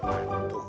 iya ini masuk